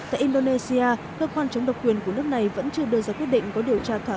tại indonesia cơ quan chống độc quyền của nước này vẫn chưa đưa ra quyết định có điều tra thỏa